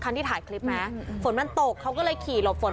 ครั้งที่ถ่ายคลิปมั้ยฝนมันตกเขาก็เลยขี่หลบฝน